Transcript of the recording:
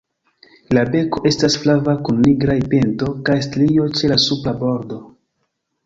La beko estas flava kun nigraj pinto kaj strio ĉe la supra bordo.